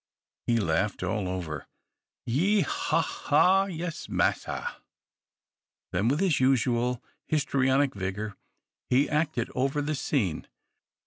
He laughed all over. "Ye', haw, haw! Yes, massa." Then, with his usual histrionic vigor, he acted over the scene.